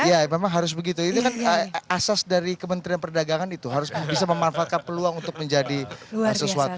ya memang harus begitu itu kan asas dari kementerian perdagangan itu harus bisa memanfaatkan peluang untuk menjadi sesuatu